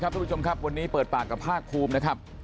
เราจะเปิดปากกับภาคภูมินะครับ